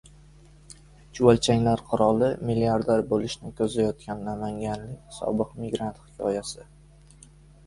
Chuvalchanglar qiroli. Milliarder bo‘lishni ko‘zlayotgan namanganlik sobiq migrant hikoyasi